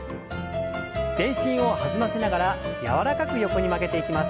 全身を弾ませながら柔らかく横に曲げていきます。